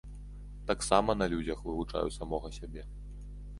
Таксама на людзях вывучаю самога сябе.